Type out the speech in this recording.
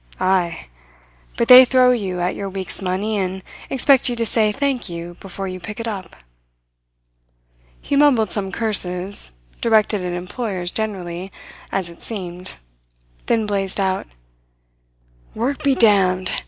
Ay! But they throw at you your week's money and expect you to say 'thank you' before you pick it up." He mumbled some curses, directed at employers generally, as it seemed, then blazed out: "Work be damned!